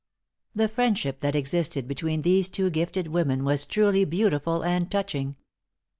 The friendship that existed between these two gifted women was truly beautiful and touching.